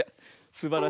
すばらしい。